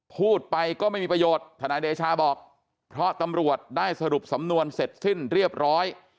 พูดไปก็ไม่มีประโยชน์ทนายเดชาบอกเพราะตำรวจได้สรุปสำนวนเสร็จสิ้นเรียบร้อย